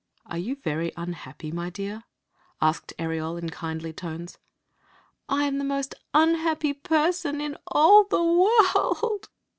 "Are you very unhappy, my dear?" asked Ereol, in kindly tones. " I am the most unhappy person in all the world